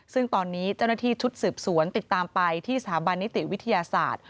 ซึ่งตอนนี้เจ้าหน้าที่ชุดสืบสวนติดตามไปที่สถาบันนิติวิทยาศาสตร์